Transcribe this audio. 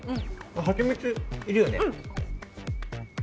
ハチミツいるよね？